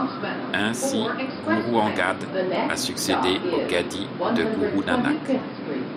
Ainsi Guru Angad a succédé au gaddi de Guru Nanak.